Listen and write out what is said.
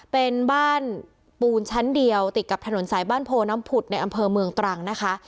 เป็นบ้านปูนชั้นเดียวติดกับถนนสายบ้านโพน้ำผุดในอำเภอเมืองตรังนะคะ